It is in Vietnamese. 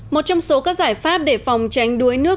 một trong số các giải pháp để phòng tránh đuối nước